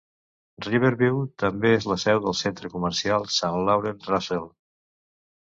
Riverview també és la seu del centre comercial St-Laurent-Russell.